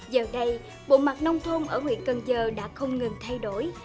giờ đây bộ mặt nông thôn ở huyện cân dơ đã không ngừng thay đổi